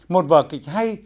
một vở kịch hay